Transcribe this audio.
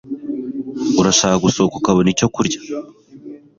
Urashaka gusohoka ukabona icyo kurya?